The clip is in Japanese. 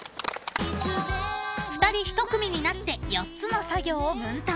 ［２人１組になって４つの作業を分担］